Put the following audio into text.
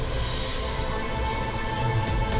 kita santuin yuk